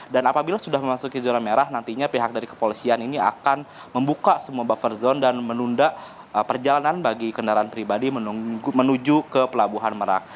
dan apabila sudah memasuki zona merah nantinya pihak dari kepolisian ini akan membuka semua buffer zone dan menunda perjalanan bagi kendaraan pribadi menuju ke pelabuhan merak